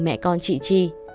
mẹ con chị chi